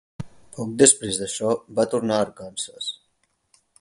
Poc després d'això, va tornar a Arkansas.